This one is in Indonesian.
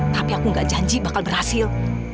tapi aku gak janji bakal berhasil